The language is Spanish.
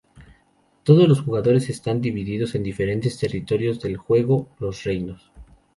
Todos los jugadores están divididos en diferentes territorios del juego, los reinos.